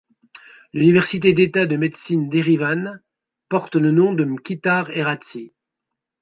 L'Université d'État de médecine d'Erevan porte le nom de Mkhitar Heratsi.